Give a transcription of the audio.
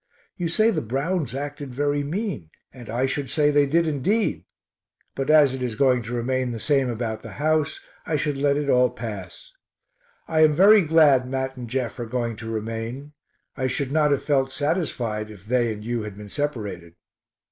You say the Browns acted very mean, and I should say they did indeed, but as it is going to remain the same about the house, I should let it all pass. I am very glad Mat and Jeff are going to remain; I should not have felt satisfied if they and you had been separated.